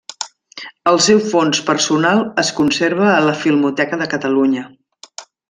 El seu fons personal es conserva a la Filmoteca de Catalunya.